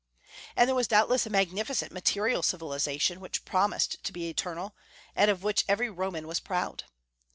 And there was doubtless a magnificent material civilization which promised to be eternal, and of which every Roman was proud.